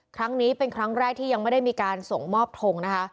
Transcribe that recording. ครั้งนี้เป็นครั้งแรกที่ยังไม่ได้มีการส่งมอบทงนะคะ